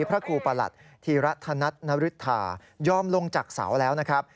พระครูประหลัดธีระธนัทนริธายอมลงจากเสาแล้วนะครับ